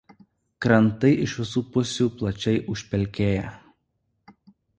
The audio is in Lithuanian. Krantai iš visų pusių plačiai užpelkėję.